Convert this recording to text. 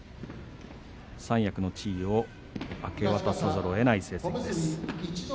三役の地位を明け渡さざるをえない成績です。